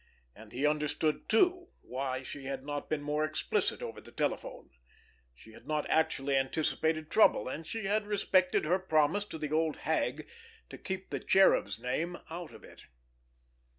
And he understood, too, why she had not been more explicit over the telephone. She had not actually anticipated trouble, and she had respected her promise to the old hag to keep the Cherub's name out of it.